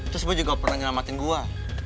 terus gue juga pernah nyelamatin gue